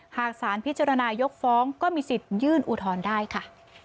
หากสารพิจารณายกฟ้องก็มีสิทธิ์ยื่นอุทธรณ์ได้ค่ะ